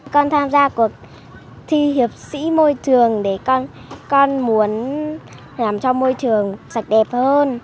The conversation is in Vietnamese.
con tham gia cuộc thi hiệp sĩ môi trường để con muốn làm cho môi trường sạch đẹp hơn